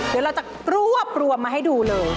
เดี๋ยวเราจะรวบรวมมาให้ดูเลย